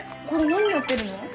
これ何やってるの？